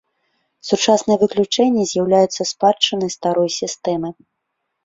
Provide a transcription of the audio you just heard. Сучасныя выключэнні з'яўляюцца спадчынай старой сістэмы.